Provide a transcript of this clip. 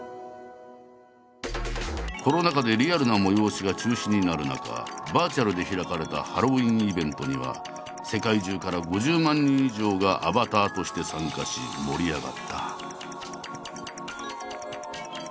コロナ禍でリアルな催しが中止になる中バーチャルで開かれたハロウィーンイベントには世界中から５０万人以上がアバターとして参加し盛り上がった。